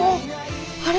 あれ？